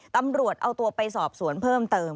ตำรวจเอาตัวไปสอบสวนเพิ่มเติม